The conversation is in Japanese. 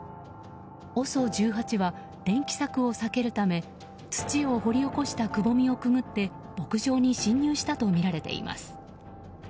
ＯＳＯ１８は電気柵を避けるため土を掘り起こしたくぼみをくぐって牧場に侵入したとみられています。